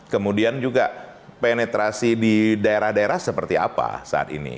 kemudian juga penetrasi di daerah daerah seperti apa saat ini